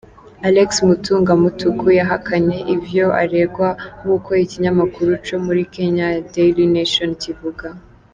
Alex Mutunga Mutuku, yahakanye ivyo aregwa, nkuko ikinyamakuru co muri Kenya, Daily Nation, kivuga.